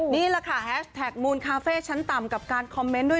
นี่แหละค่ะแฮชแท็กมูลคาเฟ่ชั้นต่ำกับการคอมเมนต์ด้วย